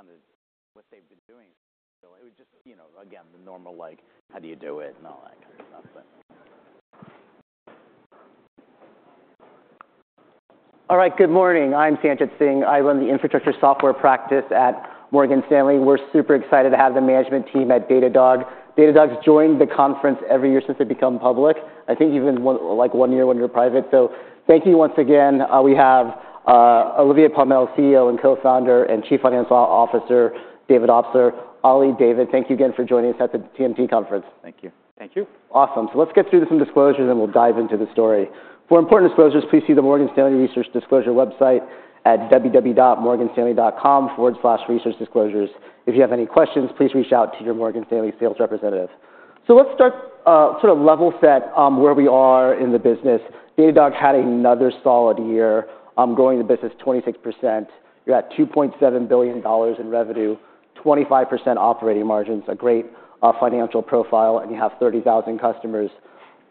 Right. And the story sounded like what they've been doing, so it was just, you know, again, the normal, like, how do you do it and all that kind of stuff, but. All right. Good morning. I'm Sanjit Singh. I run the infrastructure software practice at Morgan Stanley. We're super excited to have the management team at Datadog. Datadog's joined the conference every year since it became public. I think even one, like, one year when you're private. So thank you once again. We have Olivier Pomel, CEO and Co-founder, and Chief Financial Officer David Obstler. Ollie, David, thank you again for joining us at the TMT Conference. Thank you. Thank you. Awesome. So let's get through some disclosures and we'll dive into the story. For important disclosures, please see the Morgan Stanley Research Disclosure website at www.morganstanley.com/researchdisclosures. If you have any questions, please reach out to your Morgan Stanley sales representative. So let's start, sort of level set, where we are in the business. Datadog had another solid year, growing the business 26%. You're at $2.7 billion in revenue, 25% operating margins, a great financial profile, and you have 30,000 customers.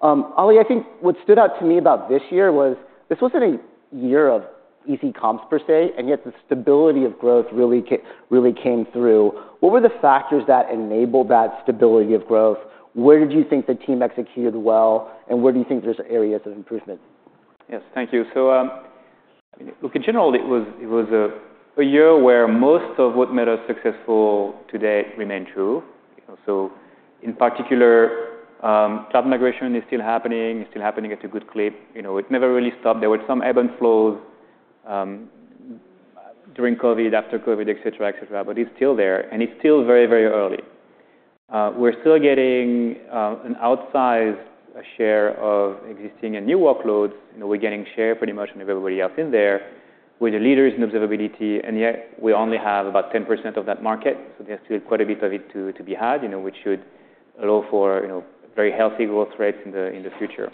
Ollie, I think what stood out to me about this year was this wasn't a year of easy comps per se, and yet the stability of growth really came through. What were the factors that enabled that stability of growth? Where did you think the team executed well, and where do you think there's areas of improvement? Yes. Thank you. So, I mean, look, in general, it was a year where most of what made us successful today remained true. You know, so in particular, cloud migration is still happening. It's still happening at a good clip. You know, it never really stopped. There were some ebb and flows, during COVID, after COVID, et cetera, et cetera, but it's still there, and it's still very, very early. We're still getting an outsized share of existing and new workloads. You know, we're getting share pretty much from everybody else in there. We're the leaders in observability, and yet we only have about 10% of that market, so there's still quite a bit of it to be had, you know, which should allow for, you know, very healthy growth rates in the future.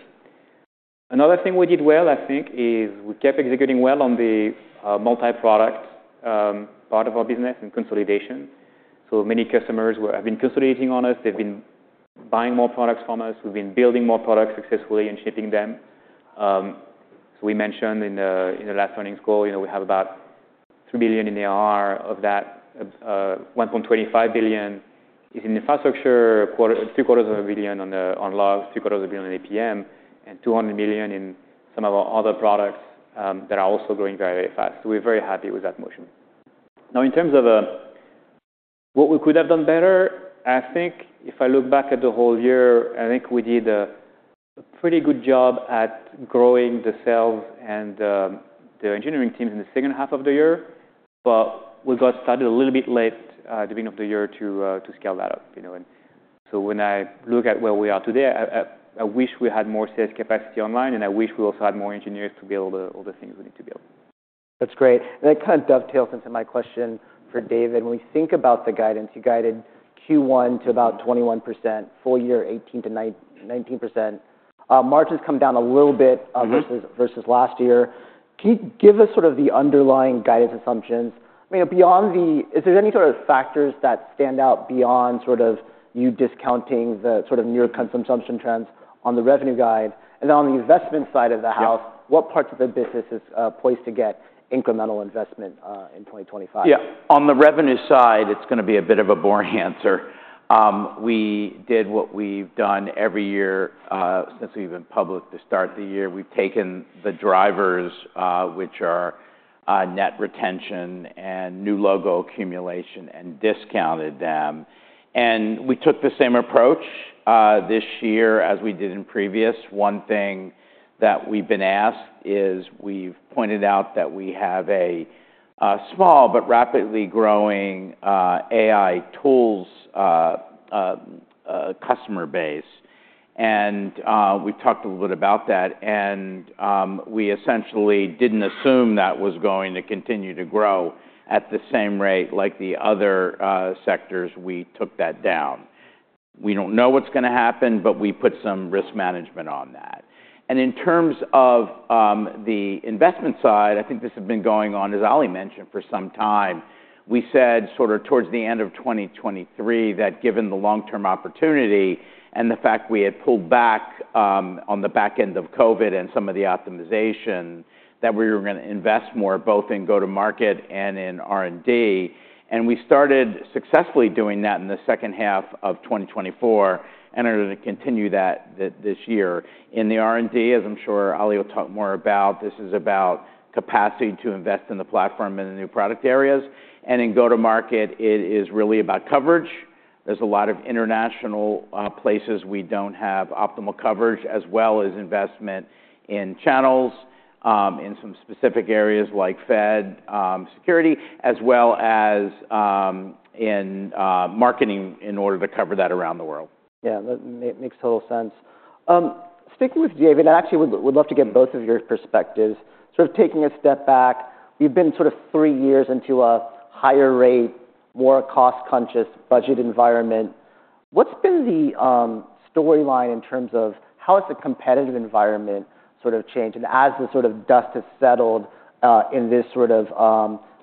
Another thing we did well, I think, is we kept executing well on the multi-product part of our business and consolidation, so many customers have been consolidating on us. They've been buying more products from us. We've been building more products successfully and shipping them, so we mentioned in the last earnings call, you know, we have about $3 billion in ARR of that. $1.25 billion is in infrastructure, $0.75 billion on the logs, $0.75 billion on APM, and $200 million in some of our other products that are also growing very, very fast, so we're very happy with that motion. Now, in terms of what we could have done better, I think if I look back at the whole year, I think we did a pretty good job at growing the sales and the engineering teams in the second half of the year, but we got started a little bit late at the beginning of the year to scale that up, you know. And so when I look at where we are today, I wish we had more sales capacity online, and I wish we also had more engineers to build all the things we need to build. That's great. That kind of dovetails into my question for David. When we think about the guidance, you guided Q1 to about 21%, full year 18%-19%. Margins come down a little bit, versus last year. Can you give us sort of the underlying guidance assumptions? You know, beyond that, is there any sort of factors that stand out beyond sort of you discounting the sort of net consumption trends on the revenue guide? And then on the investment side of the house. Yeah. What parts of the business is poised to get incremental investment in 2025? Yeah. On the revenue side, it's gonna be a bit of a boring answer. We did what we've done every year, since we've been public to start the year. We've taken the drivers, which are net retention and new logo accumulation, and discounted them, and we took the same approach this year as we did in previous. One thing that we've been asked is we've pointed out that we have a small but rapidly growing AI tools customer base, and we've talked a little bit about that, and we essentially didn't assume that was going to continue to grow at the same rate like the other sectors. We took that down. We don't know what's gonna happen, but we put some risk management on that, and in terms of the investment side, I think this has been going on, as Ollie mentioned, for some time. We said sort of towards the end of 2023 that given the long-term opportunity and the fact we had pulled back on the back end of COVID and some of the optimization, that we were gonna invest more both in go-to-market and in R&D, and we started successfully doing that in the second half of 2024 and are gonna continue that this year. In the R&D, as I'm sure Ollie will talk more about, this is about capacity to invest in the platform and the new product areas, and in go-to-market, it is really about coverage. There's a lot of international places we don't have optimal coverage, as well as investment in channels in some specific areas like Fed, security, as well as in marketing in order to cover that around the world. Yeah. That makes total sense. Sticking with David, I actually would love to get both of your perspectives. Sort of taking a step back, you've been sort of three years into a higher rate, more cost-conscious budget environment. What's been the storyline in terms of how has the competitive environment sort of changed? And as the sort of dust has settled, in this sort of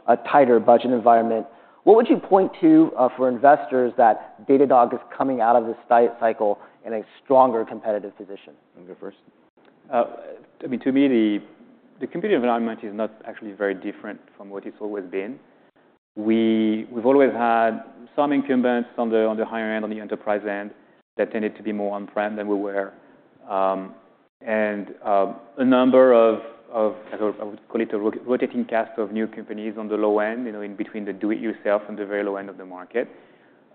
a tighter budget environment, what would you point to for investors that Datadog is coming out of this cycle in a stronger competitive position? I'll go first. I mean, to me, the competitive environment is not actually very different from what it's always been. We've always had some incumbents on the higher end, on the enterprise end, that tended to be more on-premise than we were and a number of I would call it a rotating cast of new companies on the low end, you know, in between the do-it-yourself and the very low end of the market.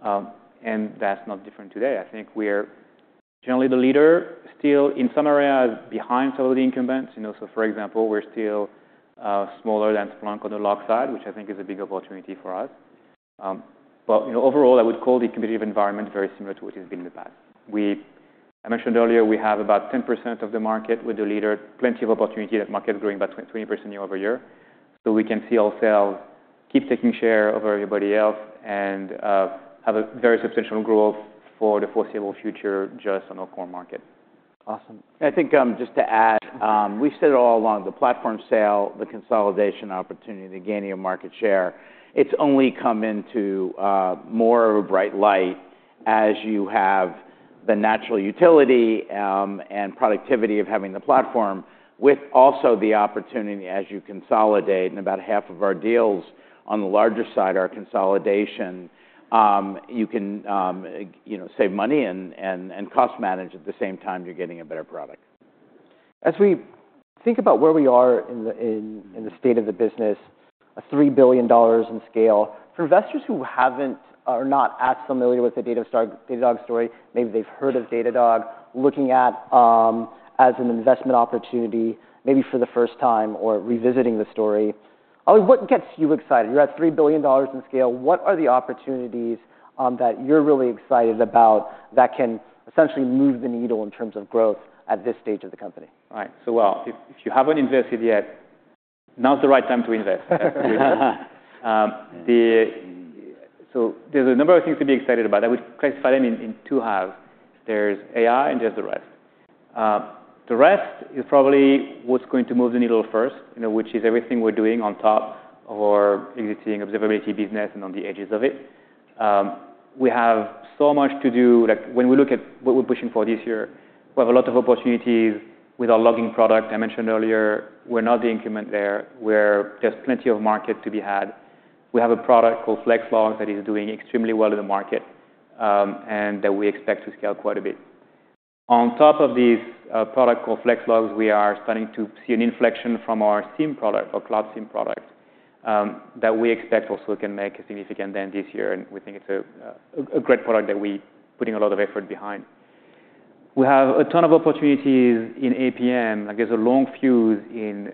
That's not different today. I think we're generally the leader, still in some areas behind some of the incumbents, you know. So, for example, we're still smaller than Splunk on the log side, which I think is a big opportunity for us. You know, overall, I would call the competitive environment very similar to what it's been in the past. As I mentioned earlier, we have about 10% of the market. We're the leader. Plenty of opportunity that market's growing by 20% year-over-year. So we can see ourselves keep taking share over everybody else and have a very substantial growth for the foreseeable future just on our core market. Awesome. I think, just to add, we've said it all along. The platform sale, the consolidation opportunity, the gaining of market share, it's only come into more of a bright light as you have the natural utility and productivity of having the platform with also the opportunity as you consolidate, and about half of our deals on the larger side are consolidation. You can, you know, save money and cost manage at the same time you're getting a better product. As we think about where we are in the state of the business, $3 billion in scale, for investors who haven't or are not as familiar with the Datadog story, maybe they've heard of Datadog, looking at, as an investment opportunity maybe for the first time or revisiting the story. Ollie, what gets you excited? You're at $3 billion in scale. What are the opportunities that you're really excited about that can essentially move the needle in terms of growth at this stage of the company? Right. Well, if you haven't invested yet, now's the right time to invest. So there's a number of things to be excited about. I would classify them in two halves. There's AI and there's the rest. The rest is probably what's going to move the needle first, you know, which is everything we're doing on top of our existing observability business and on the edges of it. We have so much to do. Like, when we look at what we're pushing for this year, we have a lot of opportunities with our logging product. I mentioned earlier. We're not the incumbent there. There's plenty of market to be had. We have a product called Flex Logs that is doing extremely well in the market, and that we expect to scale quite a bit. On top of this, product called Flex Logs, we are starting to see an inflection from our SIEM product, our Cloud SIEM product, that we expect also can make a significant dent this year, and we think it's a great product that we're putting a lot of effort behind. We have a ton of opportunities in APM. Like, there's a long fuse in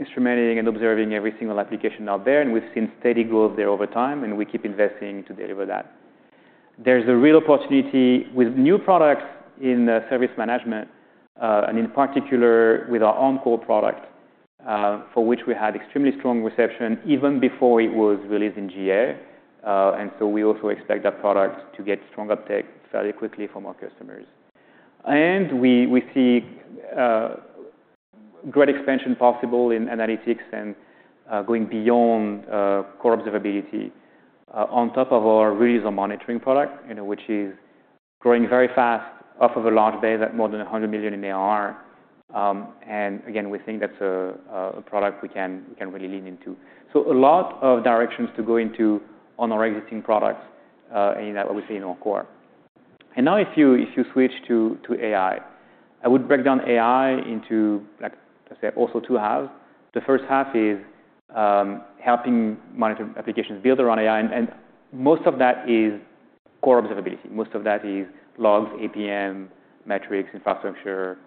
instrumenting and observing every single application out there, and we've seen steady growth there over time, and we keep investing to deliver that. There's a real opportunity with new products in service management, and in particular with our On-Call product, for which we had extremely strong reception even before it was released in GA, and so we also expect that product to get strong uptake fairly quickly from our customers. And we see great expansion possible in analytics and, going beyond, core observability, on top of our Real User Monitoring product, you know, which is growing very fast off of a large base at more than $100 million in ARR. And again, we think that's a product we can really lean into. So a lot of directions to go into on our existing products, and, obviously in our core. And now if you switch to AI, I would break down AI into, like, let's say, also two halves. The first half is helping monitor applications built around AI, and most of that is core observability. Most of that is logs, APM, metrics, infrastructure,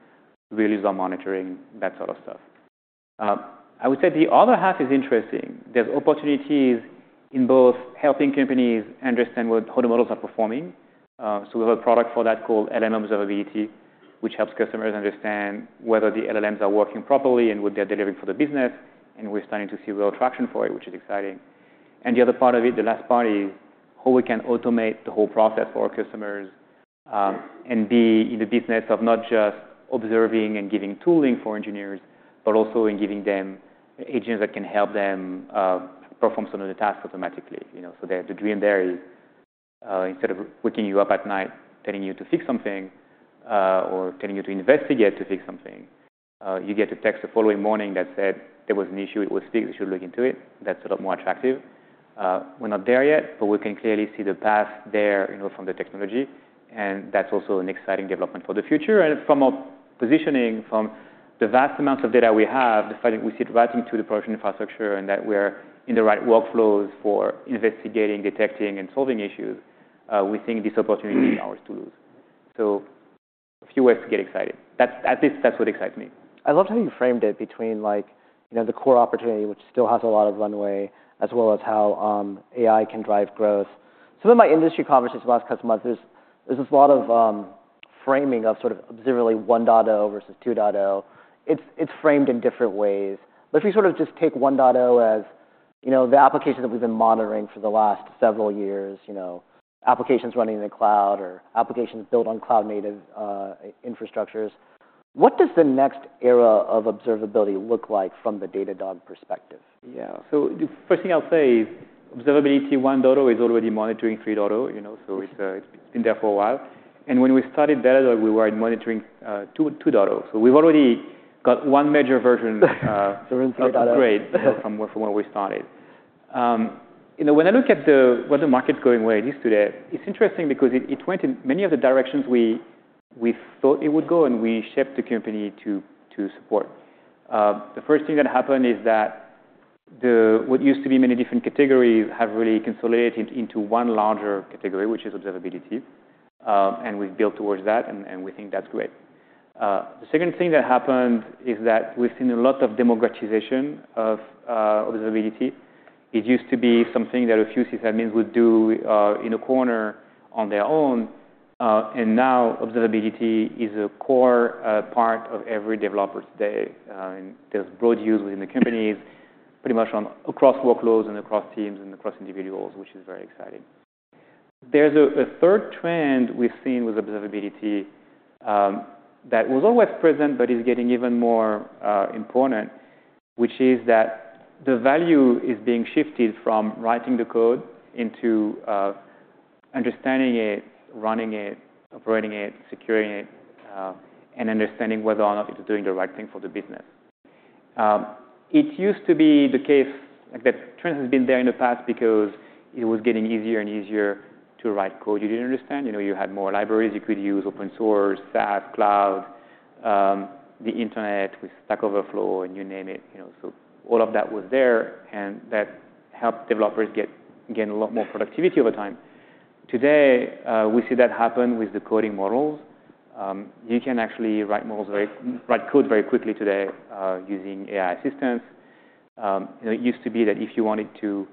Real User Monitoring, that sort of stuff. I would say the other half is interesting. There's opportunities in both helping companies understand what how the models are performing. So we have a product for that called LLM Observability, which helps customers understand whether the LLMs are working properly and what they're delivering for the business. And we're starting to see real traction for it, which is exciting. And the other part of it, the last part, is how we can automate the whole process for our customers, and be in the business of not just observing and giving tooling for engineers, but also in giving them agents that can help them perform some of the tasks automatically, you know. So the dream there is, instead of waking you up at night telling you to fix something, or telling you to investigate to fix something, you get a text the following morning that said there was an issue. It was fixed. You should look into it. That's a lot more attractive. We're not there yet, but we can clearly see the path there, you know, from the technology. And that's also an exciting development for the future. And from our positioning, from the vast amounts of data we have, the fact that we sit right into the production infrastructure and that we're in the right workflows for investigating, detecting, and solving issues, we think this opportunity is ours to lose. So a few ways to get excited. That's at least what excites me. I loved how you framed it between, like, you know, the core opportunity, which still has a lot of runway, as well as how AI can drive growth. Some of my industry conversations last couple of months, there's this lot of framing of sort of observability 1.0 versus 2.0. It's framed in different ways. But if we sort of just take 1.0 as, you know, the application that we've been monitoring for the last several years, you know, applications running in the cloud or applications built on cloud-native infrastructures, what does the next era of observability look like from the Datadog perspective? Yeah. So the first thing I'll say is observability 1.0 is already monitoring 3.0, you know. So it's been there for a while. And when we started Datadog, we were in monitoring 2.0. So we've already got one major version. Version 3.0. That's great. From where we started, you know, when I look at where the market's going, where it is today, it's interesting because it went in many of the directions we thought it would go, and we shipped the company to support. The first thing that happened is that what used to be many different categories have really consolidated into one larger category, which is observability, and we've built towards that, and we think that's great. The second thing that happened is that we've seen a lot of democratization of observability. It used to be something that a few system admins would do in a corner on their own, and now observability is a core part of every developer today, and there's broad use within the companies, pretty much across workloads and across teams and across individuals, which is very exciting. There's a third trend we've seen with observability, that was always present but is getting even more important, which is that the value is being shifted from writing the code into understanding it, running it, operating it, securing it, and understanding whether or not it's doing the right thing for the business. It used to be the case that trend has been there in the past because it was getting easier and easier to write code you didn't understand. You know, you had more libraries. You could use open source, SaaS, cloud, the internet with Stack Overflow, and you name it, you know. So all of that was there, and that helped developers gain a lot more productivity over time. Today, we see that happen with the coding models. You can actually write code very quickly today, using AI assistance. You know, it used to be that if you wanted to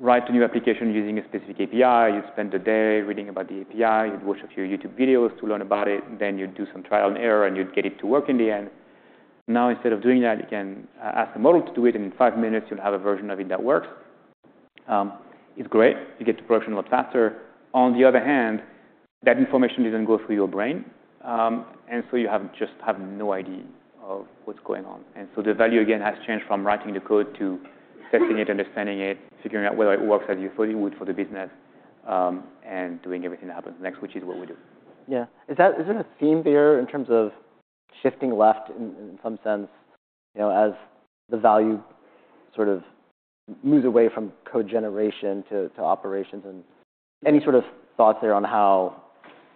write a new application using a specific API, you'd spend the day reading about the API. You'd watch a few YouTube videos to learn about it. Then you'd do some trial and error, and you'd get it to work in the end. Now, instead of doing that, you can ask the model to do it, and in five minutes, you'll have a version of it that works. It's great. You get to production a lot faster. On the other hand, that information doesn't go through your brain, and so you just have no idea of what's going on. And so the value, again, has changed from writing the code to testing it, understanding it, figuring out whether it works as you thought it would for the business, and doing everything that happens next, which is what we do. Yeah. Is there a theme there in terms of shifting left in some sense, you know, as the value sort of moves away from code generation to operations? And any sort of thoughts there on how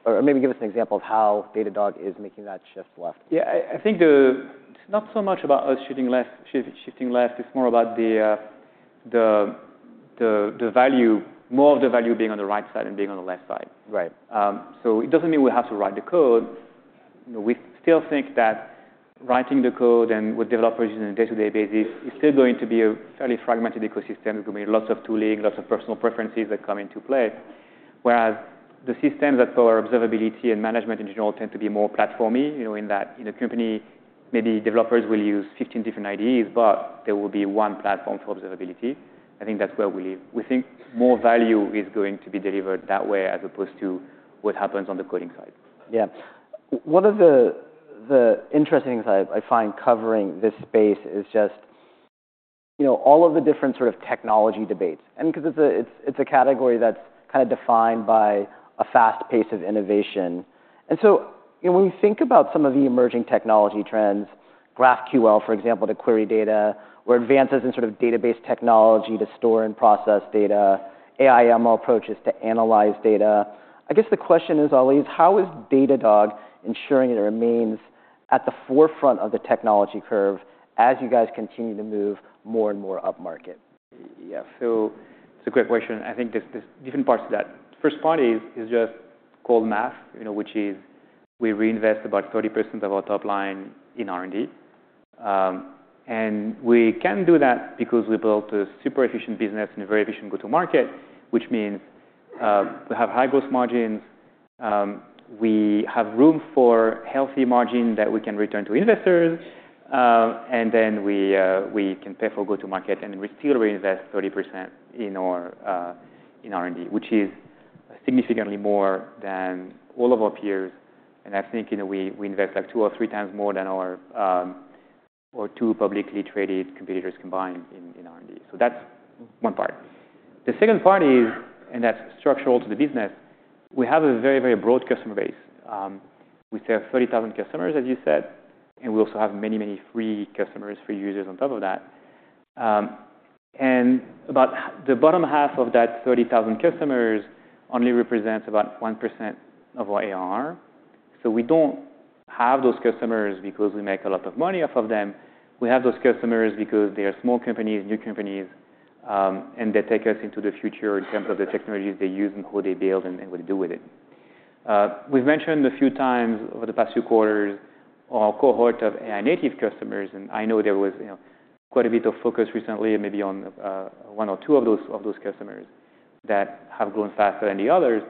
or maybe give us an example of how Datadog is making that shift left? Yeah. I think it's not so much about us shifting left, shifting left. It's more about the value being more on the right side than being on the left side. Right. So it doesn't mean we have to write the code. You know, we still think that writing the code and what developers use on a day-to-day basis is still going to be a fairly fragmented ecosystem. There's going to be lots of tooling, lots of personal preferences that come into play. Whereas the systems that power observability and management in general tend to be more platformy, you know, in that in a company, maybe developers will use 15 different ideas, but there will be one platform for observability. I think that's where we live. We think more value is going to be delivered that way as opposed to what happens on the coding side. Yeah. One of the interesting things I find covering this space is just, you know, all of the different sort of technology debates. And because it's a category that's kind of defined by a fast pace of innovation. And so, you know, when you think about some of the emerging technology trends, GraphQL, for example, the Query Data, with advances in sort of database technology to store and process data, AI/ML approaches to analyze data, I guess the question is, Ollie, is how is Datadog ensuring it remains at the forefront of the technology curve as you guys continue to move more and more upmarket? Yeah. So it's a great question. I think there's, there's different parts to that. First part is, is just cold math, you know, which is we reinvest about 30% of our top line in R&D, and we can do that because we built a super efficient business and a very efficient go-to-market, which means, we have high gross margins. We have room for healthy margin that we can return to investors, and then we, we can pay for go-to-market and then we still reinvest 30% in our, in R&D, which is significantly more than all of our peers, and I think, you know, we, we invest like two or three times more than our, or two publicly traded competitors combined in, in R&D. So that's one part. The second part is, and that's structural to the business. We have a very, very broad customer base. We serve 30,000 customers, as you said, and we also have many, many free customers, free users on top of that, and about the bottom half of that 30,000 customers only represents about 1% of our ARR. So we don't have those customers because we make a lot of money off of them. We have those customers because they are small companies, new companies, and they take us into the future in terms of the technologies they use and how they build and what they do with it. We've mentioned a few times over the past few quarters our cohort of AI-native customers. And I know there was, you know, quite a bit of focus recently, maybe on one or two of those customers that have grown faster than the others.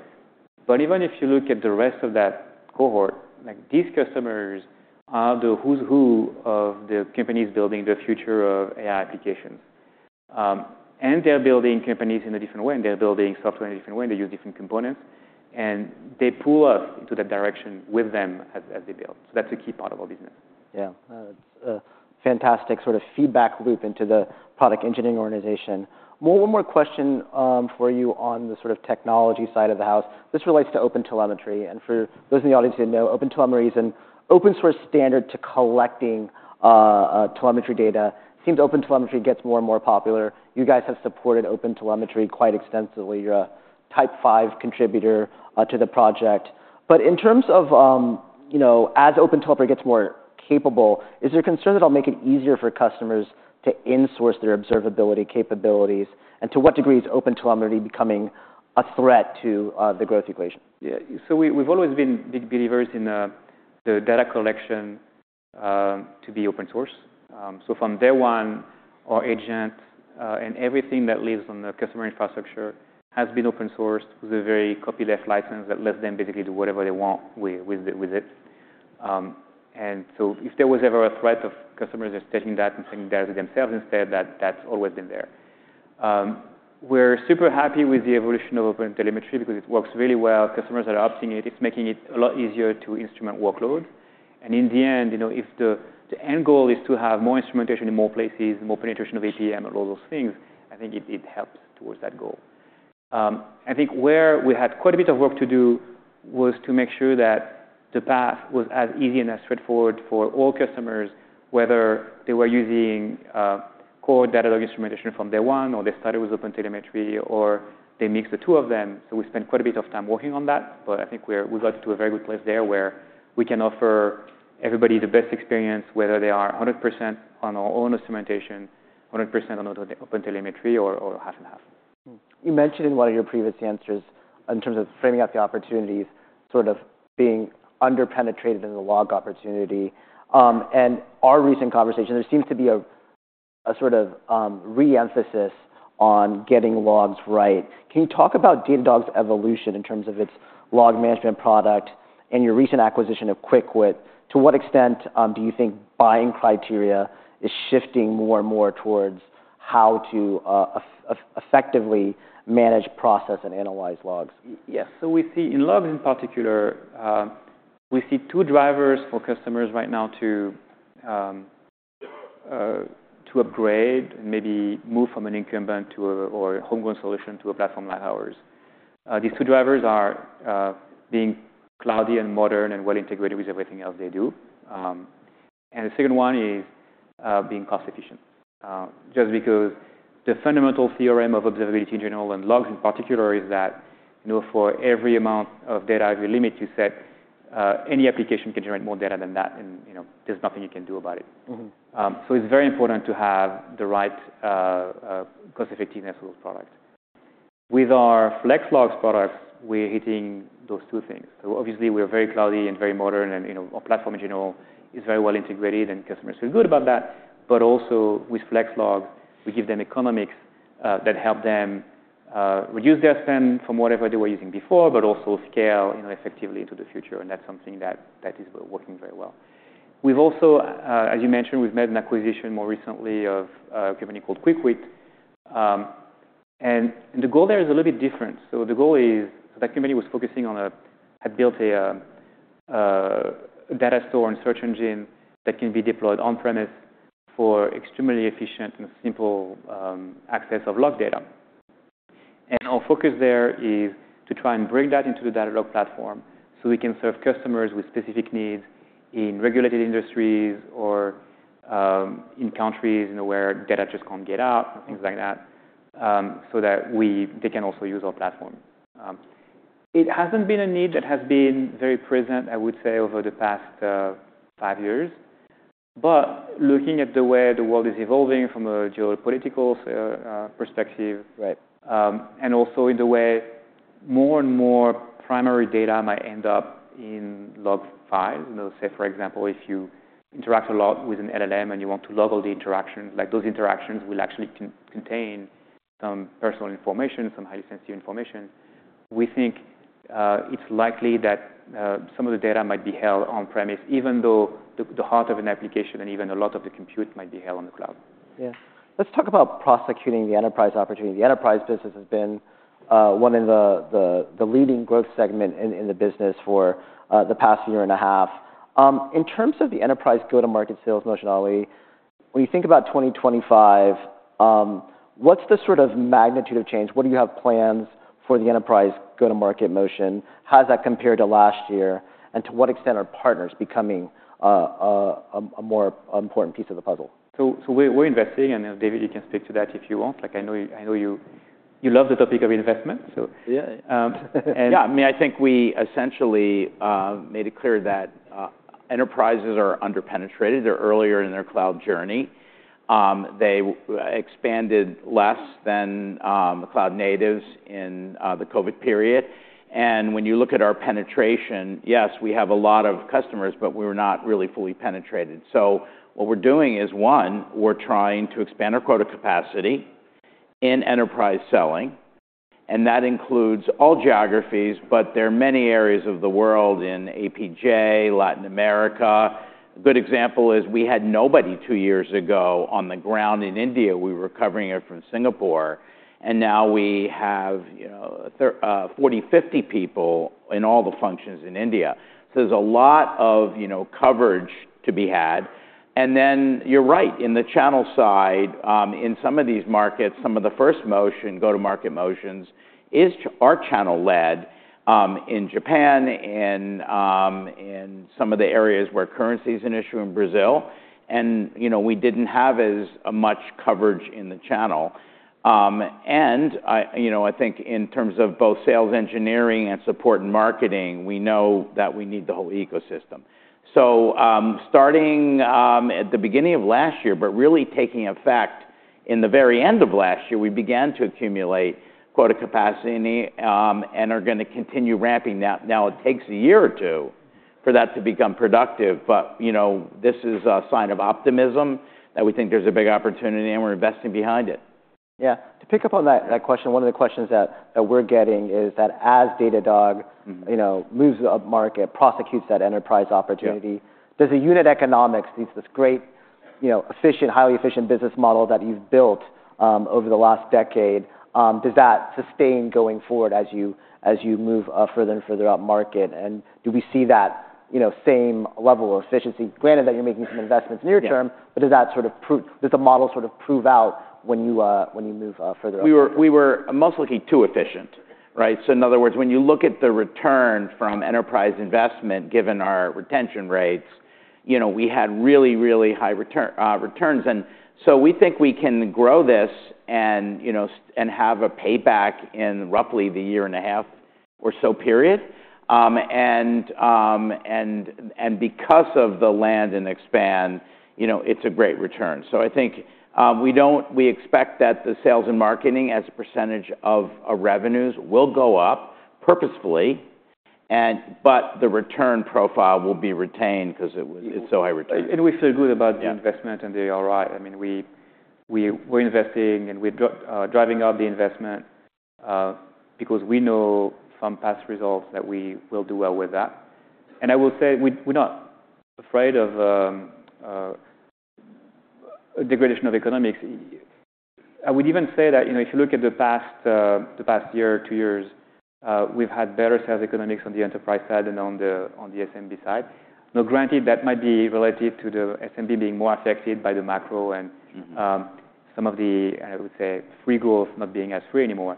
But even if you look at the rest of that cohort, like, these customers are the who's who of the companies building the future of AI applications, and they're building companies in a different way, and they're building software in a different way. They use different components, and they pull us into that direction with them as they build. So that's a key part of our business. Yeah. That's a fantastic sort of feedback loop into the product engineering organization. One more question, for you on the sort of technology side of the house. This relates to OpenTelemetry. And for those in the audience who didn't know, OpenTelemetry is an open-source standard for collecting telemetry data. It seems OpenTelemetry gets more and more popular. You guys have supported OpenTelemetry quite extensively. You're a top five contributor to the project. But in terms of, you know, as OpenTelemetry gets more capable, is there a concern that it'll make it easier for customers to insource their observability capabilities? And to what degree is OpenTelemetry becoming a threat to the growth equation? Yeah. So we've always been big believers in the data collection to be open source. From day one, our agents and everything that lives on the customer infrastructure has been open sourced with a very copyleft license that lets them basically do whatever they want with it. And so if there was ever a threat of customers just taking that and saying that to themselves instead, that's always been there. We're super happy with the evolution of OpenTelemetry because it works really well. Customers that are opting it, it's making it a lot easier to instrument workloads. And in the end, you know, if the end goal is to have more instrumentation in more places, more penetration of APM and all those things, I think it helps towards that goal. I think where we had quite a bit of work to do was to make sure that the path was as easy and as straightforward for all customers, whether they were using core Datadog instrumentation from day one or they started with OpenTelemetry or they mixed the two of them. So we spent quite a bit of time working on that, but I think we got to a very good place there where we can offer everybody the best experience, whether they are 100% on our own instrumentation, 100% on OpenTelemetry, or half and half. You mentioned in one of your previous answers in terms of framing out the opportunities sort of being underpenetrated in the log opportunity and our recent conversation, there seems to be a sort of re-emphasis on getting logs right. Can you talk about Datadog's evolution in terms of its log management product and your recent acquisition of Quickwit? To what extent do you think buying criteria is shifting more and more towards how to effectively manage, process, and analyze logs? Yes. So we see in logs in particular, we see two drivers for customers right now to upgrade and maybe move from an incumbent to a or a homegrown solution to a platform like ours. These two drivers are being cloudy and modern and well-integrated with everything else they do. And the second one is being cost-efficient. Just because the fundamental theorem of observability in general and logs in particular is that, you know, for every amount of data with a limit you set, any application can generate more data than that, and, you know, there's nothing you can do about it. Mm-hmm. So it's very important to have the right cost-effectiveness of those products. With our Flex Logs products, we're hitting those two things. Obviously, we're very cloudy and very modern, and you know, our platform in general is very well-integrated, and customers feel good about that. But also, with Flex Logs, we give them economics that help them reduce their spend from whatever they were using before, but also scale you know effectively into the future. And that's something that is working very well. We've also, as you mentioned, made an acquisition more recently of a company called Quickwit, and the goal there is a little bit different. So the goal is that company was focusing on had built a data store and search engine that can be deployed on-premise for extremely efficient and simple access of log data. And our focus there is to try and bring that into the Datadog platform so we can serve customers with specific needs in regulated industries or in countries, you know, where data just can't get out and things like that, so that we they can also use our platform. It hasn't been a need that has been very present, I would say, over the past five years. But looking at the way the world is evolving from a geopolitical perspective. Right. And also in the way more and more primary data might end up in log files. You know, say, for example, if you interact a lot with an LLM and you want to log all the interactions, like, those interactions will actually contain some personal information, some highly sensitive information. We think it's likely that some of the data might be held on-premises, even though the heart of an application and even a lot of the compute might be held on the cloud. Yeah. Let's talk about prosecuting the enterprise opportunity. The enterprise business has been one of the leading growth segment in the business for the past year and a half. In terms of the enterprise go-to-market sales motion, Ollie, when you think about 2025, what's the sort of magnitude of change? What do you have plans for the enterprise go-to-market motion? How does that compare to last year? And to what extent are partners becoming a more important piece of the puzzle? We're investing, and David, you can speak to that if you want. Like, I know you love the topic of investment, so. Yeah. And yeah, I mean, I think we essentially made it clear that enterprises are underpenetrated. They're earlier in their cloud journey. They expanded less than cloud natives in the COVID period. And when you look at our penetration, yes, we have a lot of customers, but we were not really fully penetrated. So what we're doing is, one, we're trying to expand our quota capacity in enterprise selling. And that includes all geographies, but there are many areas of the world in APJ, Latin America. A good example is we had nobody two years ago on the ground in India. We were covering it from Singapore. And now we have, you know, 30, 40, 50 people in all the functions in India. So there's a lot of, you know, coverage to be had. And then you're right. In the channel side, in some of these markets, some of the first motion go-to-market motions is our channel-led, in Japan and in some of the areas where currency is an issue in Brazil. And, you know, we didn't have as much coverage in the channel. And I, you know, I think in terms of both sales engineering and support and marketing, we know that we need the whole ecosystem. So, starting at the beginning of last year, but really taking effect in the very end of last year, we began to accumulate quota capacity, and are going to continue ramping that. Now, it takes a year or two for that to become productive, but, you know, this is a sign of optimism that we think there's a big opportunity and we're investing behind it. Yeah. To pick up on that question, one of the questions that we're getting is that as Datadog, you know, moves upmarket, prosecutes that enterprise opportunity, does the unit economics, these, this great, you know, efficient, highly efficient business model that you've built, over the last decade, does that sustain going forward as you, as you move, further and further upmarket? And do we see that, you know, same level of efficiency? Granted that you're making some investments near term, but does the model sort of prove out when you, when you move, further upmarket? We were most likely too efficient, right? So in other words, when you look at the return from enterprise investment, given our retention rates, you know, we had really, really high return, returns. And so we think we can grow this and, you know, and have a payback in roughly the year and a half or so period. And because of the land and expand, you know, it's a great return. So I think we do expect that the sales and marketing as a percentage of our revenues will go up purposefully. And but the return profile will be retained because it was, it's so high return. We feel good about the investment and the ROI. I mean, we, we were investing and we're driving up the investment, because we know from past results that we will do well with that. I will say we, we're not afraid of, degradation of economics. I would even say that, you know, if you look at the past, the past year, two years, we've had better sales economics on the enterprise side than on the, on the SMB side. Now, granted, that might be relative to the SMB being more affected by the macro and, some of the, I would say, free growth not being as free anymore.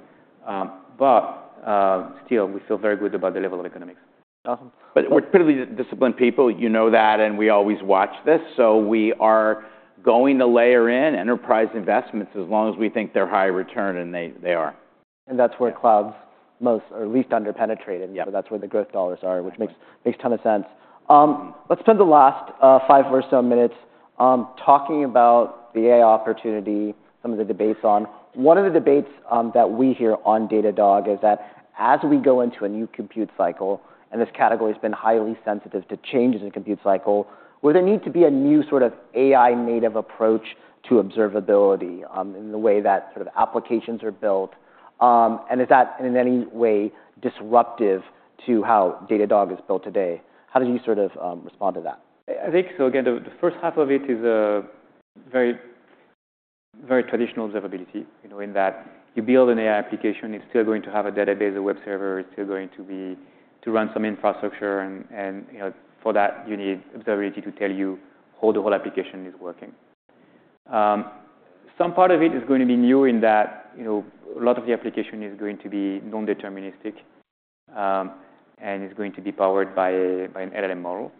But, still, we feel very good about the level of economics. But we're pretty disciplined people. You know that, and we always watch this. So we are going to layer in enterprise investments as long as we think they're high return and they, they are. That's where cloud's most or least underpenetrated. Yeah. So that's where the growth dollars are, which makes a ton of sense. Let's spend the last five or so minutes talking about the AI opportunity, some of the debates on. One of the debates that we hear on Datadog is that as we go into a new compute cycle, and this category has been highly sensitive to changes in compute cycle, will there need to be a new sort of AI-native approach to observability, in the way that sort of applications are built? And is that in any way disruptive to how Datadog is built today? How did you sort of respond to that? I think so. Again, the first half of it is a very, very traditional observability, you know, in that you build an AI application, it's still going to have a database, a web server, it's still going to be to run some infrastructure. And, you know, for that, you need observability to tell you how the whole application is working. Some part of it is going to be new in that, you know, a lot of the application is going to be non-deterministic, and is going to be powered by an LLM model.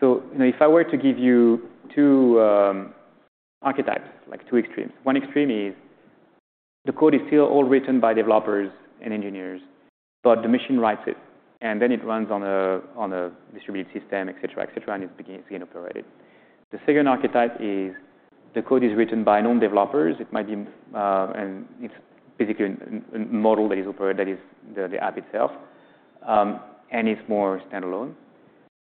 So, you know, if I were to give you two archetypes, like two extremes. One extreme is the code is still all written by developers and engineers, but the machine writes it, and then it runs on a distributed system, etc., etc., and it's beginning to get operated. The second archetype is the code is written by known developers. It might be, and it's basically a model that is operated, that is the app itself, and it's more standalone.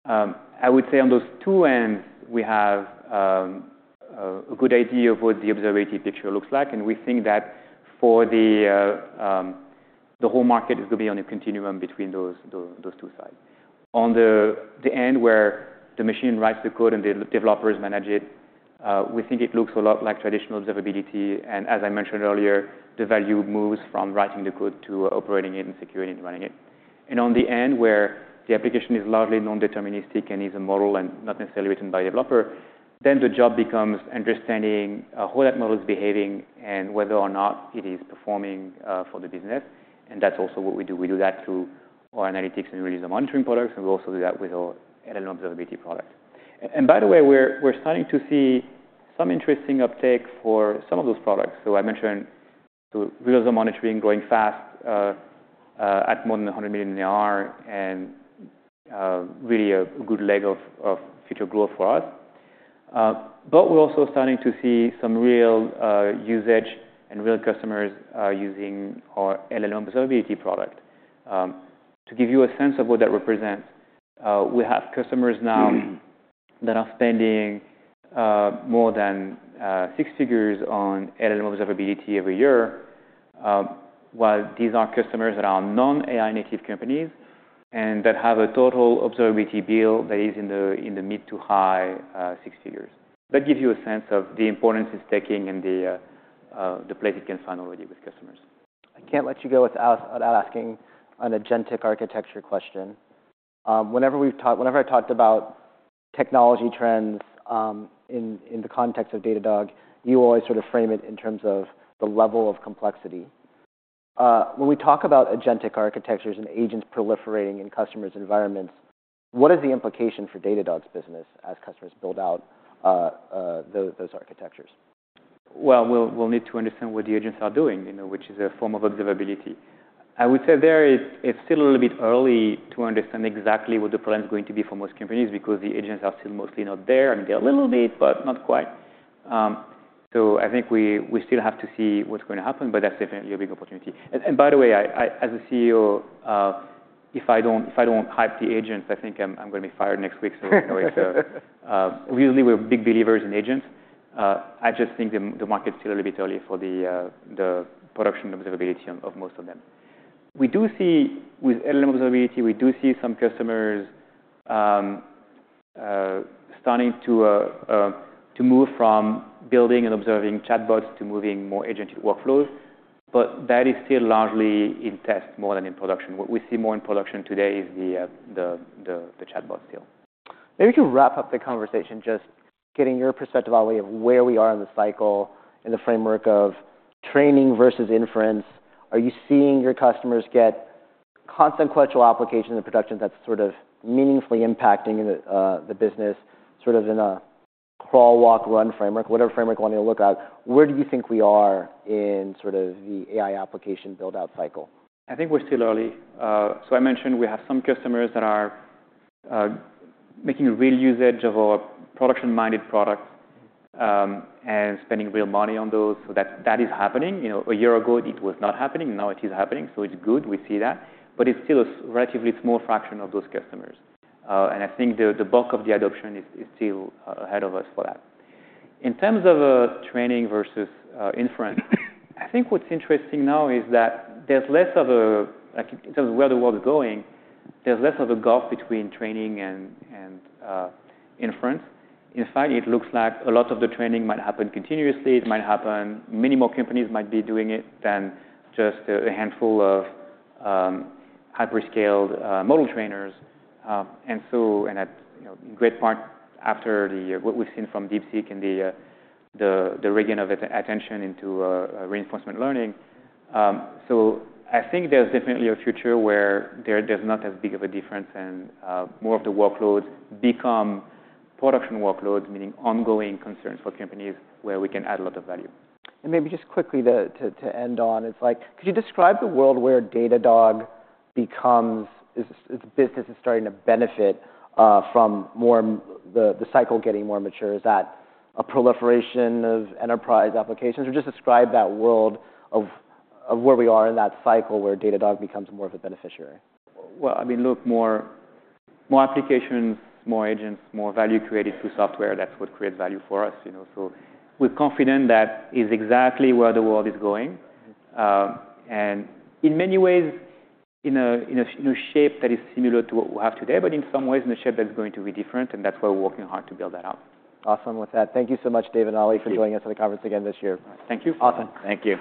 I would say on those two ends, we have a good idea of what the observability picture looks like. And we think that for the whole market is going to be on a continuum between those two sides. On the end where the machine writes the code and the developers manage it, we think it looks a lot like traditional observability. And as I mentioned earlier, the value moves from writing the code to operating it and securing and running it. On the end where the application is largely non-deterministic and is a model and not necessarily written by a developer, then the job becomes understanding how that model is behaving and whether or not it is performing for the business. That's also what we do. We do that through our analytics and RUM products. We also do that with our LLM Observability product. By the way, we're starting to see some interesting uptake for some of those products. I mentioned the RUM growing fast, at more than $100 million in ARR and really a good leg of future growth for us. We're also starting to see some real usage and real customers using our LLM Observability product. to give you a sense of what that represents, we have customers now that are spending more than six figures on LLM Observability every year, while these are customers that are non-AI-native companies and that have a total observability bill that is in the mid to high six figures. That gives you a sense of the importance it's taking and the place it can find already with customers. I can't let you go without asking an agentic architecture question. Whenever we've talked, whenever I talked about technology trends, in, in the context of Datadog, you always sort of frame it in terms of the level of complexity. When we talk about agentic architectures and agents proliferating in customers' environments, what is the implication for Datadog's business as customers build out, those, those architectures? We'll need to understand what the agents are doing, you know, which is a form of observability. I would say it's still a little bit early to understand exactly what the plan is going to be for most companies because the agents are still mostly not there. I mean, they're a little bit, but not quite. I think we still have to see what's going to happen, but that's definitely a big opportunity. By the way, I, as a CEO, if I don't hype the agents, I think I'm going to be fired next week. You know, we really were big believers in agents. I just think the market's still a little bit early for the production observability of most of them. We do see with LLM observability, we do see some customers starting to move from building and observing chatbots to moving more agentic workflows. But that is still largely in test more than in production. What we see more in production today is the chatbot still. Maybe we could wrap up the conversation just getting your perspective, Ollie, of where we are in the cycle in the framework of training versus inference? Are you seeing your customers get consequential applications in production that's sort of meaningfully impacting the, the business, sort of in a crawl, walk, run framework, whatever framework you want to look at? Where do you think we are in sort of the AI application build-out cycle? I think we're still early. So I mentioned we have some customers that are making real usage of our production-minded products, and spending real money on those. So that is happening. You know, a year ago, it was not happening. Now it is happening. So it's good. We see that. But it's still a relatively small fraction of those customers, and I think the bulk of the adoption is still ahead of us for that. In terms of training versus inference, I think what's interesting now is that there's less of a, like, in terms of where the world is going, there's less of a gulf between training and inference. In fact, it looks like a lot of the training might happen continuously. It might happen many more companies might be doing it than just a handful of hyperscale model trainers. And so, you know, in great part after what we've seen from DeepSeek and the regain of attention into reinforcement learning. So I think there's definitely a future where there's not as big of a difference and more of the workloads become production workloads, meaning ongoing concerns for companies where we can add a lot of value. Maybe just quickly to end on, it's like, could you describe the world where Datadog becomes the business is starting to benefit from the cycle getting more mature? Is that a proliferation of enterprise applications? Or just describe that world of where we are in that cycle where Datadog becomes more of a beneficiary? I mean, look, more applications, more agents, more value created through software. That's what creates value for us, you know. We're confident that is exactly where the world is going and in many ways in a shape that is similar to what we have today, but in some ways in a shape that's going to be different. That's why we're working hard to build that up. Awesome with that. Thank you so much, David and Ollie, for joining us in the conference again this year. Thank you. Awesome. Thank you.